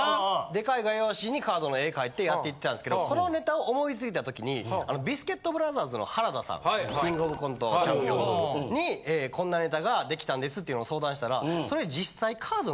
デカい画用紙にカードの絵描いてやっていってたんですけどこのネタを思いついた時にビスケットブラザーズの原田さん『キングオブコント』チャンピオンにこんなネタができたんですっていうのを相談したらそれ。